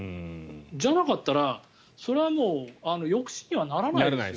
じゃなかったら、それはもう抑止にはならないですよ。